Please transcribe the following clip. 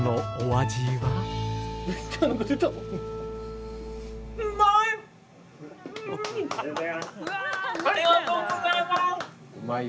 ありがとうございます！